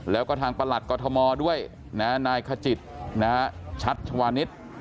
แล้วก็ทางประหลัดกรทมด้วยนายขจิตชัชวานิส